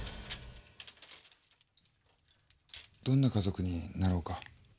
どんな家族になろうか？